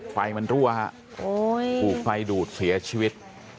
ไฟมันรั่วฮะถูกไฟดูดเสียชีวิต